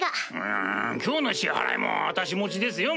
ん今日の支払いも私持ちですよ